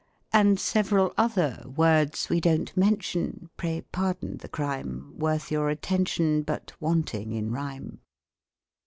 And several other Words we don't mention, (Pray pardon the crime,) ^ Worth your attention. But wanting in rhyme.